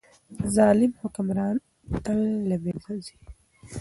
ظالم حکمرانان تل له منځه ځي.